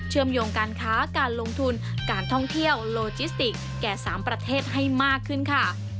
โยงการค้าการลงทุนการท่องเที่ยวโลจิสติกแก่๓ประเทศให้มากขึ้นค่ะ